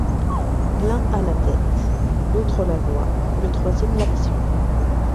L’un a la tête, l’autre la voix, le troisième l’action.